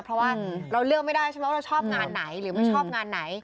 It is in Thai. เพราะว่าเราเลือกไม่ได้ชอบงานไหนหรือไม่ชอบงานไหน